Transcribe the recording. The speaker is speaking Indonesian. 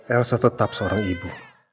elsa tetap seorang ibu